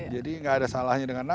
jadi nggak ada salahnya dengan nama